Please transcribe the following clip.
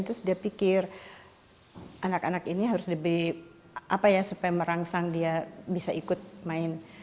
terus dia pikir anak anak ini harus lebih apa ya supaya merangsang dia bisa ikut main